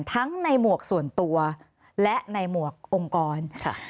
ทั้งในหมวกส่วนตัวและในหมวกองค์กรค่ะ